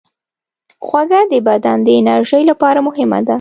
خوږه د بدن د انرژۍ لپاره مهمه ده.